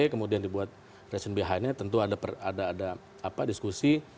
kemudian dibuat resion behind nya tentu ada diskusi